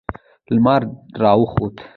لمر را وخوت.